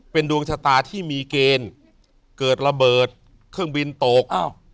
เป็นดวงชะตาที่มีเกณฑ์เกิดระเบิดเครื่องบินตก